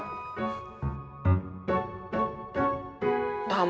siapa tuh orang